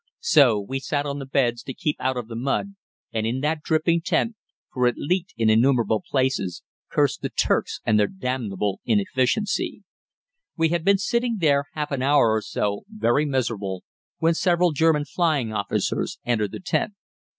So we sat on the beds to keep out of the mud; and in that dripping tent, for it leaked in innumerable places, cursed the Turks and their damnable inefficiency. We had been sitting there half an hour or so, very miserable, when several German flying officers entered the tent.